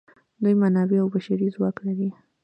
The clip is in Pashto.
دوی منابع او بشري ځواک لري.